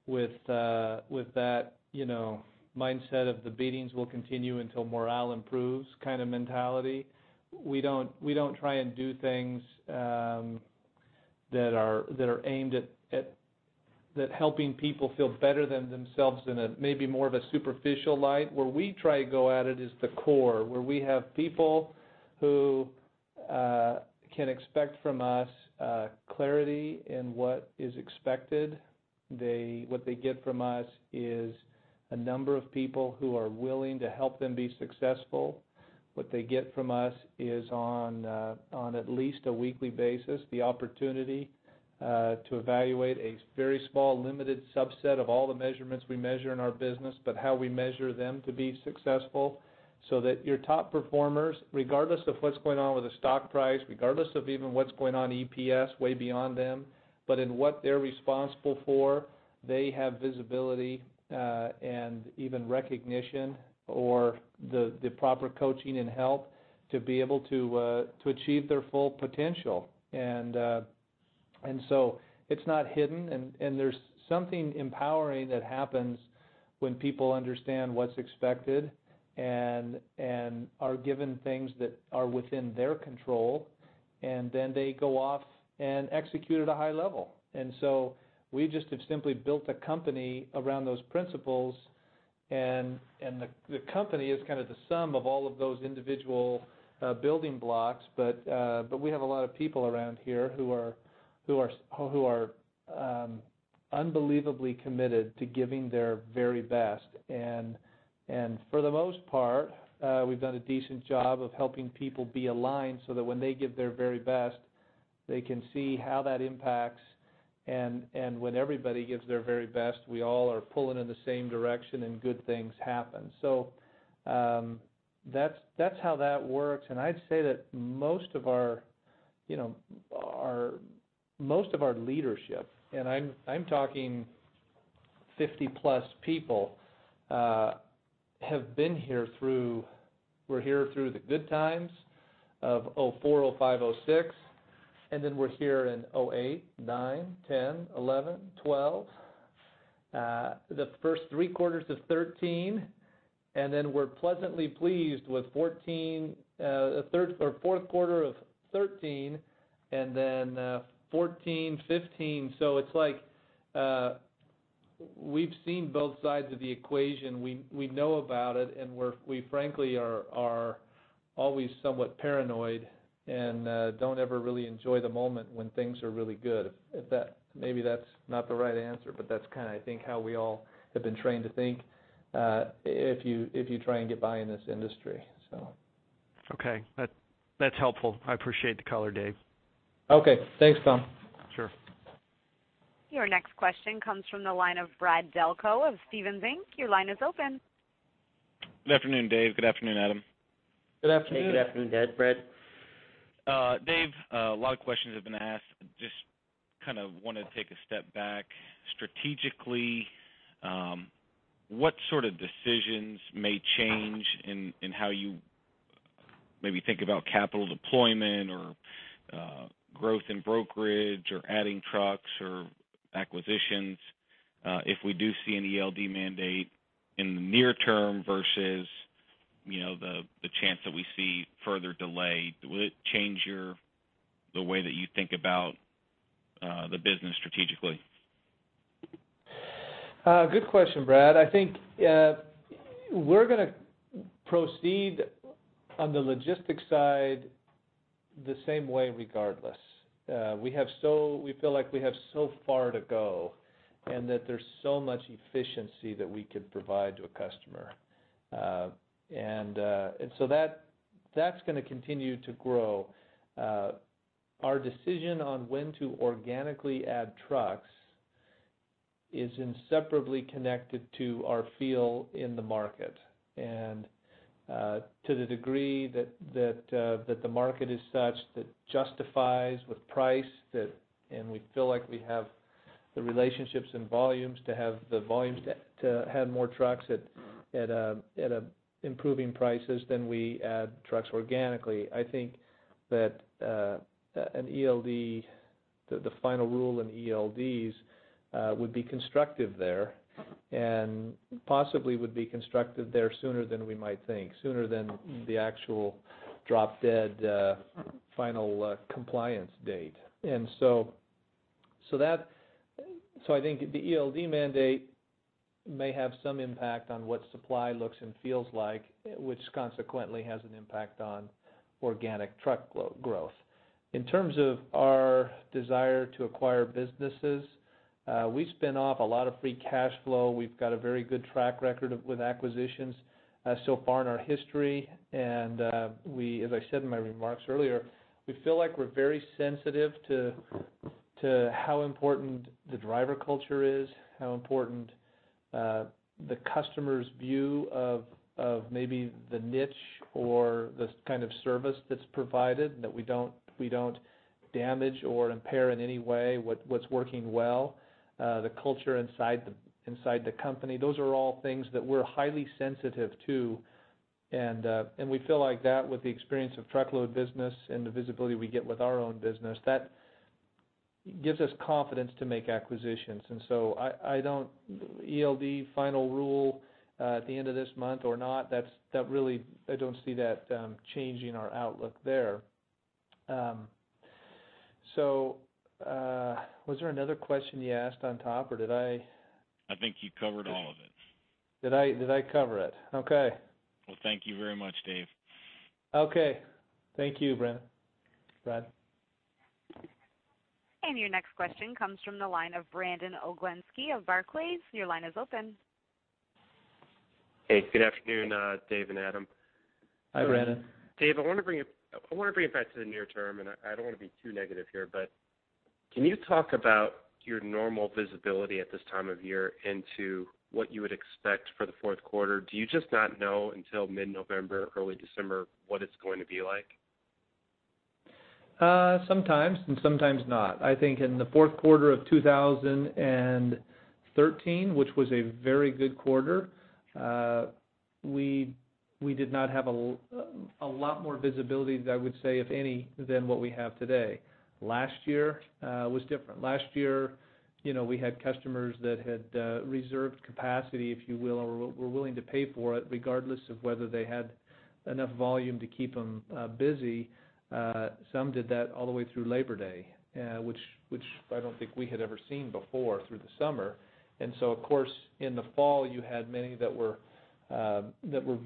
with that, you know, mindset of the beatings will continue until morale improves kind of mentality. We don't try and do things that are aimed at helping people feel better than themselves in a maybe more of a superficial light. Where we try to go at it is the core, where we have people who can expect from us clarity in what is expected. They, what they get from us is a number of people who are willing to help them be successful. What they get from us is on, on at least a weekly basis, the opportunity, to evaluate a very small, limited subset of all the measurements we measure in our business, but how we measure them to be successful... so that your top performers, regardless of what's going on with the stock price, regardless of even what's going on EPS, way beyond them, but in what they're responsible for, they have visibility, and even recognition or the, the proper coaching and help to be able to, to achieve their full potential. And so it's not hidden, and there's something empowering that happens when people understand what's expected and are given things that are within their control, and then they go off and execute at a high level. And so we just have simply built a company around those principles, and the company is kind of the sum of all of those individual building blocks. But we have a lot of people around here who are unbelievably committed to giving their very best. And for the most part, we've done a decent job of helping people be aligned so that when they give their very best, they can see how that impacts, and when everybody gives their very best, we all are pulling in the same direction, and good things happen. So, that's, that's how that works. And I'd say that most of our, you know, most of our leadership, and I'm, I'm talking 50-plus people, have been here through... were here through the good times of 2004, 2005, 2006, and then were here in 2008, 2009, 2010, 2011, 2012, the first three quarters of 2013, and then were pleasantly pleased with 2014, third or fourth quarter of 2013, and then, 2014, 2015. So it's like, we've seen both sides of the equation. We, we know about it, and we're -- we frankly are, are always somewhat paranoid and, don't ever really enjoy the moment when things are really good. If that... Maybe that's not the right answer, but that's kind of, I think, how we all have been trained to think, if you, if you try and get by in this industry, so. Okay. That, that's helpful. I appreciate the color, Dave. Okay. Thanks, Tom. Sure. Your next question comes from the line of Brad Delco of Stephens Inc. Your line is open. Good afternoon, Dave. Good afternoon, Adam. Good afternoon. Good afternoon, Dave, Brad. Dave, a lot of questions have been asked. Just kind of want to take a step back. Strategically, what sort of decisions may change in how you maybe think about capital deployment or growth in brokerage or adding trucks or acquisitions, if we do see an ELD mandate in the near term versus you know the chance that we see further delay? Will it change your the way that you think about the business strategically? Good question, Brad. I think, we're going to proceed on the logistics side the same way regardless. We feel like we have so far to go, and that there's so much efficiency that we could provide to a customer. That's going to continue to grow. Our decision on when to organically add trucks is inseparably connected to our feel in the market. To the degree that the market is such that justifies with price, and we feel like we have the relationships and volumes to have more trucks at improving prices, then we add trucks organically. I think that an ELD, the final rule in ELDs, would be constructive there, and possibly would be constructive there sooner than we might think, sooner than the actual drop-dead final compliance date. And so that... So I think the ELD mandate may have some impact on what supply looks and feels like, which consequently has an impact on organic truck growth. In terms of our desire to acquire businesses, we spin off a lot of free cash flow. We've got a very good track record of with acquisitions, so far in our history, and, we, as I said in my remarks earlier, we feel like we're very sensitive to, to how important the driver culture is, how important, the customer's view of, of maybe the niche or the kind of service that's provided, that we don't, we don't damage or impair in any way what, what's working well, the culture inside the, inside the company. Those are all things that we're highly sensitive to, and, and we feel like that with the experience of truckload business and the visibility we get with our own business, that gives us confidence to make acquisitions. And so I, I don't... ELD final rule, at the end of this month or not, that's, that really, I don't see that, changing our outlook there. Was there another question you asked on top, or did I- I think you covered all of it. Did I cover it? Okay. Well, thank you very much, Dave. Okay. Thank you, Brad. Brad. Your next question comes from the line of Brandon Oglenski of Barclays. Your line is open. Hey, good afternoon, Dave and Adam. Hi, Brandon. Dave, I want to bring it back to the near term, and I don't want to be too negative here, but... Can you talk about your normal visibility at this time of year into what you would expect for the fourth quarter? Do you just not know until mid-November, early December, what it's going to be like? Sometimes and sometimes not. I think in the fourth quarter of 2013, which was a very good quarter, we did not have a lot more visibility, I would say, if any, than what we have today. Last year was different. Last year, you know, we had customers that had reserved capacity, if you will, or were willing to pay for it, regardless of whether they had enough volume to keep them busy. Some did that all the way through Labor Day, which I don't think we had ever seen before through the summer. And so of course, in the fall, you had many that were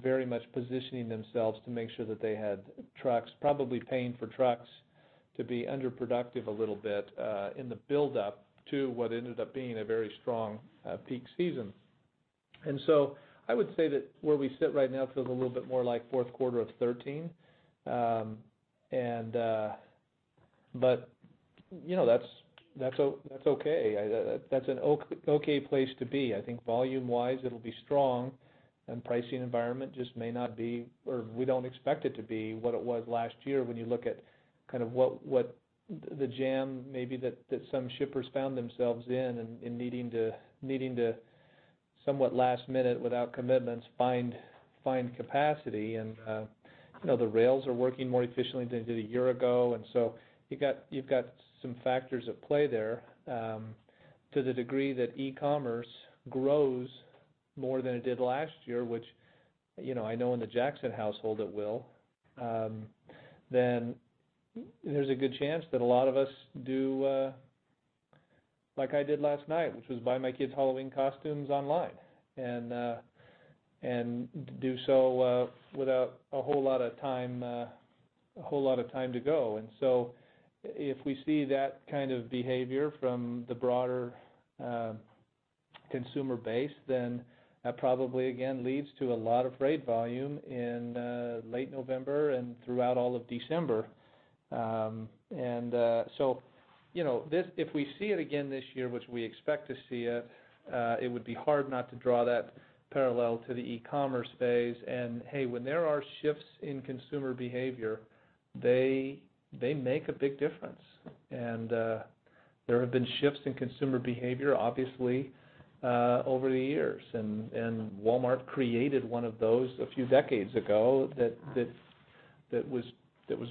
very much positioning themselves to make sure that they had trucks, probably paying for trucks to be underproductive a little bit, in the buildup to what ended up being a very strong peak season. And so I would say that where we sit right now feels a little bit more like fourth quarter of 2013. But, you know, that's okay. That's an okay place to be. I think volume-wise, it'll be strong, and pricing environment just may not be, or we don't expect it to be what it was last year when you look at kind of what the jam may be that some shippers found themselves in, in needing to, somewhat last minute, without commitments, find capacity. You know, the rails are working more efficiently than they did a year ago, and so you've got some factors at play there. To the degree that e-commerce grows more than it did last year, which, you know, I know in the Jackson household, it will, then there's a good chance that a lot of us do, like I did last night, which was buy my kids Halloween costumes online and do so without a whole lot of time to go. And so if we see that kind of behavior from the broader consumer base, then that probably, again, leads to a lot of freight volume in late November and throughout all of December. And, so you know, this—if we see it again this year, which we expect to see it, it would be hard not to draw that parallel to the e-commerce phase. And, hey, when there are shifts in consumer behavior, they make a big difference. And, there have been shifts in consumer behavior, obviously, over the years, and Walmart created one of those a few decades ago that was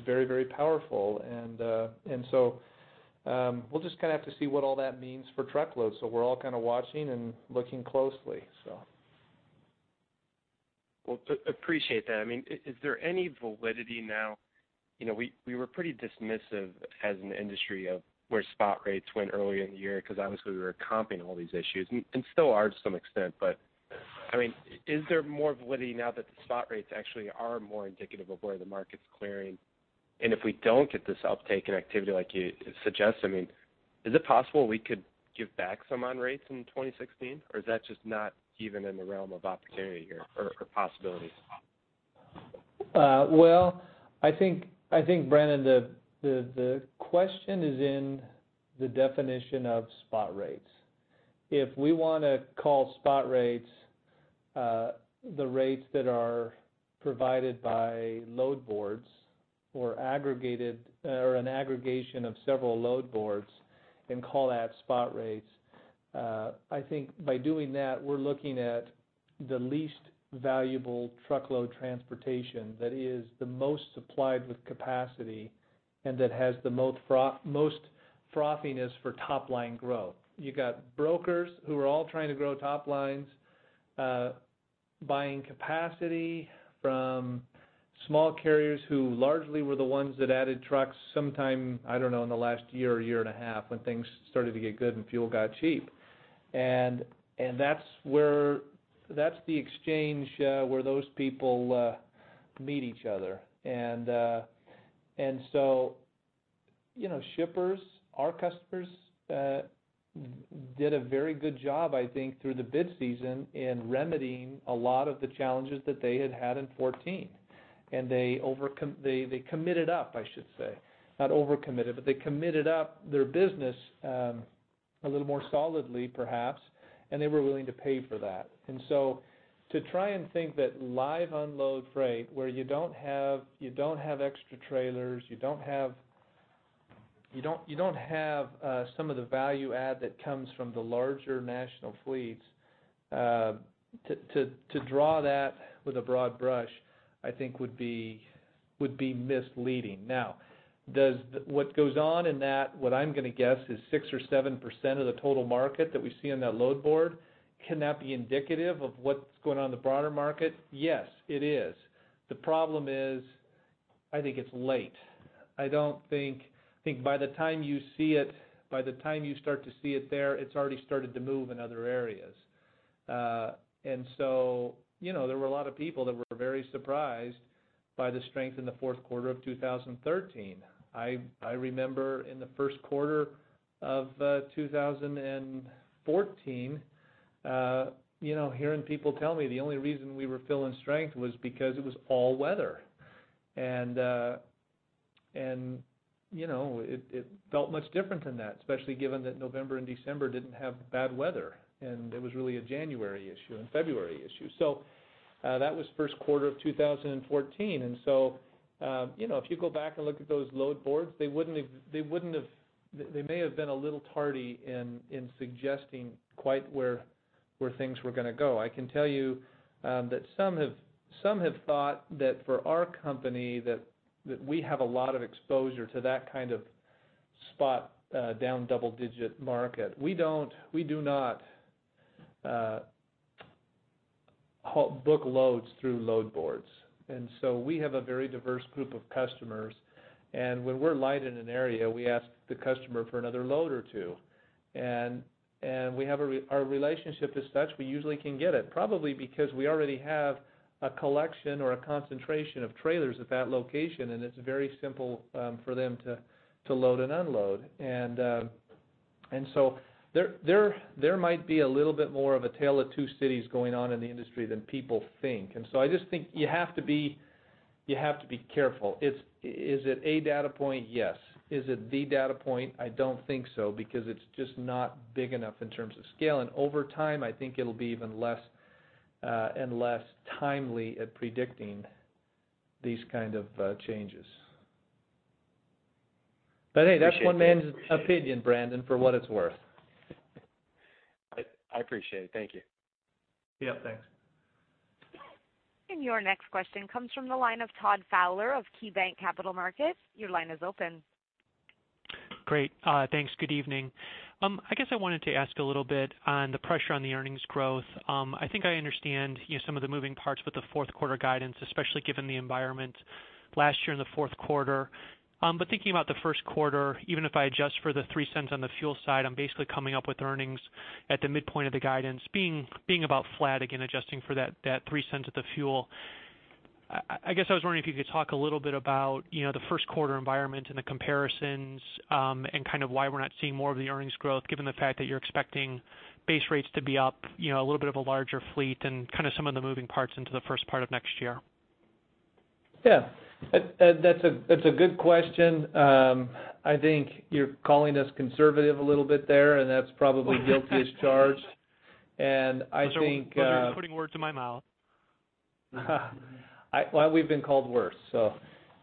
very, very powerful. And, and so, we'll just kind of have to see what all that means for truckload. So we're all kind of watching and looking closely, so. Well, appreciate that. I mean, is there any validity now? You know, we were pretty dismissive as an industry of where spot rates went earlier in the year because obviously, we were comping all these issues, and still are to some extent. I mean, is there more validity now that the spot rates actually are more indicative of where the market's clearing? And if we don't get this uptake in activity like you suggest, I mean, is it possible we could give back some on rates in 2016, or is that just not even in the realm of opportunity here or possibility? Well, I think, Brandon, the question is in the definition of spot rates. If we want to call spot rates the rates that are provided by load boards or aggregated... or an aggregation of several load boards and call that spot rates, I think by doing that, we're looking at the least valuable truckload transportation that is the most supplied with capacity and that has the most frothiness for top-line growth. You got brokers who are all trying to grow top lines, buying capacity from small carriers, who largely were the ones that added trucks sometime, I don't know, in the last year or year and a half, when things started to get good and fuel got cheap. And that's where... That's the exchange, where those people meet each other. And so, you know, shippers, our customers, did a very good job, I think, through the bid season in remedying a lot of the challenges that they had had in 2014. And they, they committed up, I should say, not over-committed, but they committed up their business, a little more solidly, perhaps, and they were willing to pay for that. And so to try and think that live unload freight, where you don't have extra trailers, you don't have some of the value add that comes from the larger national fleets, to draw that with a broad brush, I think would be misleading. Now, does... What goes on in that, what I'm going to guess is 6 or 7% of the total market that we see on that load board, can that be indicative of what's going on in the broader market? Yes, it is. The problem is, I think it's late. I think by the time you see it, by the time you start to see it there, it's already started to move in other areas. And so, you know, there were a lot of people that were very surprised by the strength in the fourth quarter of 2013. I remember in the first quarter of 2014, you know, hearing people tell me the only reason we were feeling strength was because it was all weather. And, you know, it felt much different than that, especially given that November and December didn't have bad weather, and it was really a January issue and February issue. So, that was first quarter of 2014. And so, you know, if you go back and look at those load boards, they wouldn't have. They may have been a little tardy in suggesting quite where things were gonna go. I can tell you, that some have thought that for our company, that we have a lot of exposure to that kind of spot down double-digit market. We don't. We do not book loads through load boards. And so we have a very diverse group of customers, and when we're light in an area, we ask the customer for another load or two. And we have our relationship is such, we usually can get it, probably because we already have a collection or a concentration of trailers at that location, and it's very simple for them to load and unload. And so there might be a little bit more of a tale of two cities going on in the industry than people think. And so I just think you have to be, you have to be careful. It's. Is it a data point? Yes. Is it the data point? I don't think so, because it's just not big enough in terms of scale, and over time, I think it'll be even less, and less timely at predicting these kind of, changes. But hey, that's one man's opinion, Brandon, for what it's worth. I appreciate it. Thank you. Yeah, thanks. Your next question comes from the line of Todd Fowler of KeyBanc Capital Markets. Your line is open. Great. Thanks. Good evening. I guess I wanted to ask a little bit on the pressure on the earnings growth. I think I understand, you know, some of the moving parts with the fourth quarter guidance, especially given the environment last year in the fourth quarter. But thinking about the first quarter, even if I adjust for the $0.03 on the fuel side, I'm basically coming up with earnings at the midpoint of the guidance, being about flat, again, adjusting for that $0.03 at the fuel. I guess I was wondering if you could talk a little bit about, you know, the first quarter environment and the comparisons, and kind of why we're not seeing more of the earnings growth, given the fact that you're expecting base rates to be up, you know, a little bit of a larger fleet, and kind of some of the moving parts into the first part of next year. Yeah, that, that's a, that's a good question. I think you're calling us conservative a little bit there, and that's probably guilty as charged. And I think, Sorry, putting words in my mouth. Well, we've been called worse, so.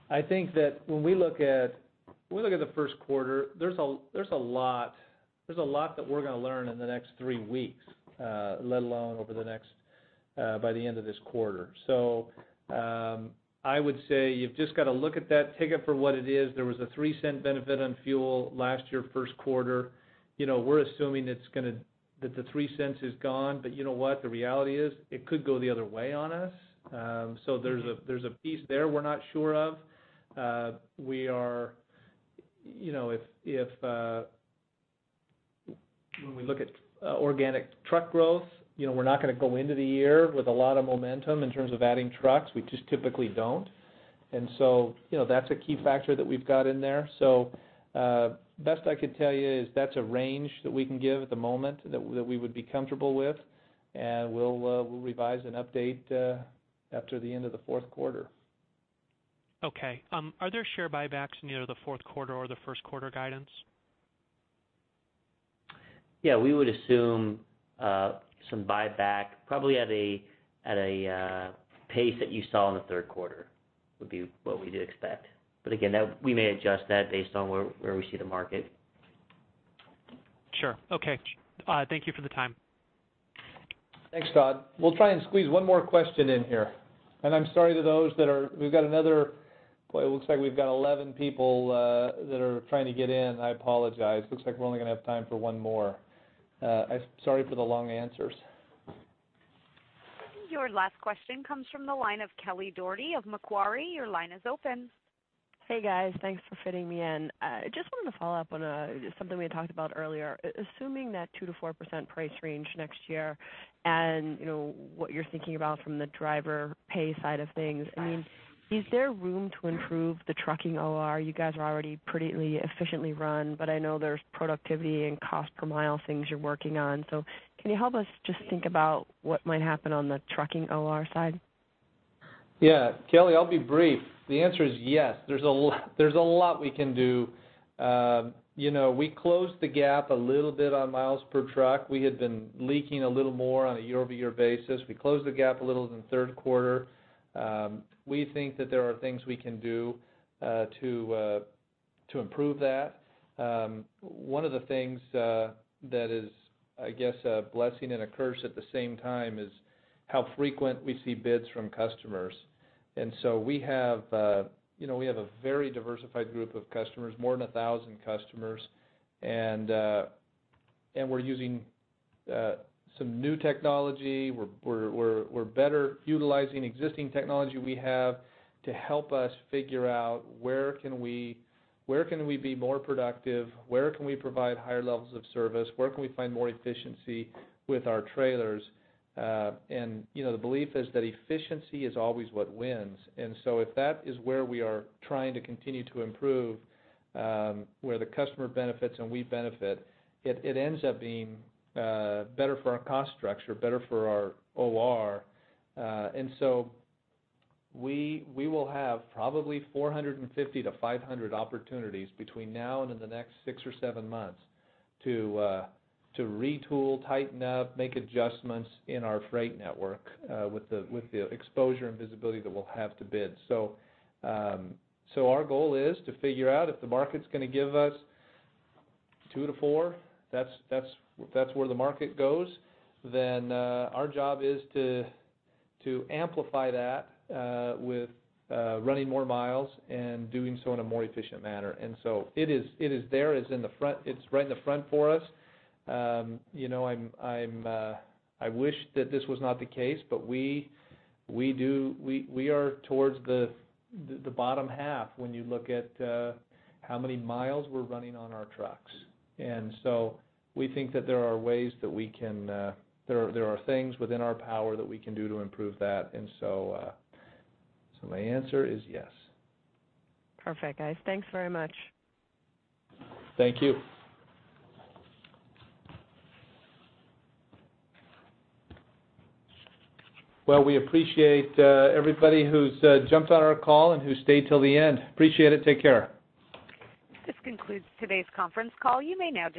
I think that when we look at, when we look at the first quarter, there's a, there's a lot, there's a lot that we're gonna learn in the next three weeks, let alone over the next, by the end of this quarter. So, I would say you've just got to look at that, take it for what it is. There was a $0.03 benefit on fuel last year, first quarter. You know, we're assuming it's gonna... That the $0.03 is gone. But you know what? The reality is, it could go the other way on us. So there's a, there's a piece there we're not sure of. You know, when we look at organic truck growth, you know, we're not gonna go into the year with a lot of momentum in terms of adding trucks. We just typically don't. And so, you know, that's a key factor that we've got in there. So, best I could tell you is that's a range that we can give at the moment that we would be comfortable with, and we'll revise and update after the end of the fourth quarter. Okay. Are there share buybacks in either the fourth quarter or the first quarter guidance? Yeah, we would assume some buyback, probably at a pace that you saw in the third quarter, would be what we did expect. But again, that we may adjust that based on where we see the market. Sure. Okay. Thank you for the time. Thanks, Todd. We'll try and squeeze one more question in here, and I'm sorry to those that are... We've got another, well, it looks like we've got 11 people that are trying to get in. I apologize. Looks like we're only gonna have time for one more. Sorry for the long answers. Your last question comes from the line of Kelly Dougherty of Macquarie. Your line is open. Hey, guys. Thanks for fitting me in. I just wanted to follow up on something we had talked about earlier. Assuming that 2%-4% price range next year, and you know, what you're thinking about from the driver pay side of things, I mean, is there room to improve the trucking OR? You guys are already pretty efficiently run, but I know there's productivity and cost per mile things you're working on. So can you help us just think about what might happen on the trucking OR side? Yeah, Kelly, I'll be brief. The answer is yes. There's a lot, there's a lot we can do. You know, we closed the gap a little bit on miles per truck. We had been leaking a little more on a year-over-year basis. We closed the gap a little in the third quarter. We think that there are things we can do, to, to improve that. One of the things, that is, I guess, a blessing and a curse at the same time, is how frequent we see bids from customers. And so we have, you know, we have a very diversified group of customers, more than 1,000 customers, and, and we're using, some new technology. We're better utilizing existing technology we have to help us figure out where can we, where can we be more productive? Where can we provide higher levels of service? Where can we find more efficiency with our trailers? And you know, the belief is that efficiency is always what wins. And so if that is where we are trying to continue to improve, where the customer benefits and we benefit, it ends up being better for our cost structure, better for our OR. And so we will have probably 450-500 opportunities between now and in the next 6 or 7 months to retool, tighten up, make adjustments in our freight network, with the exposure and visibility that we'll have to bid. So, so our goal is to figure out if the market's gonna give us 2-4, that's where the market goes, then, our job is to amplify that, with running more miles and doing so in a more efficient manner. And so it is there, it's in the front, it's right in the front for us. You know, I'm, I wish that this was not the case, but we do—we are towards the bottom half when you look at how many miles we're running on our trucks. And so we think that there are ways that we can, there are things within our power that we can do to improve that. And so, so my answer is yes. Perfect, guys. Thanks very much. Thank you. Well, we appreciate everybody who's jumped on our call and who stayed till the end. Appreciate it. Take care. This concludes today's conference call. You may now disconnect.